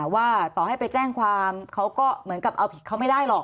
ว่าต่อให้ไปแจ้งความเขาก็เหมือนกับเอาผิดเขาไม่ได้หรอก